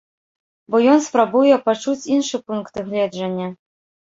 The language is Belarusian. Бо ён спрабуе пачуць іншы пункт гледжання.